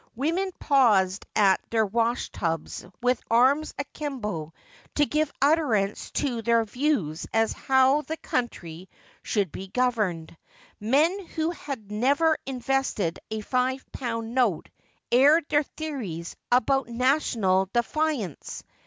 Women paused at their wash tubs with arms akimbo to give utterance to their views as to how the country should be governed. Men who had never invested a five pound note aired their theories about national defiance.